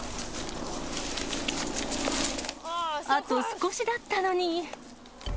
あと少しだったのに。